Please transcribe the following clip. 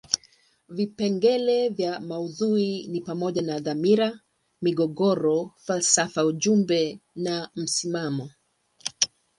Vipengele vya maudhui ni pamoja na dhamira, migogoro, falsafa ujumbe na msimamo.